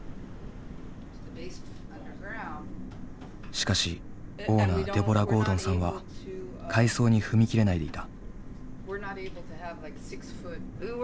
しかしオーナーデボラ・ゴードンさんは改装に踏み切れないでいた。